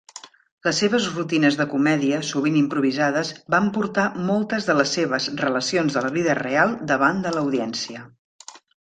Les seves rutines de comèdia, sovint improvisades, van portar moltes de les seves relacions de la vida real davant de l"audiència.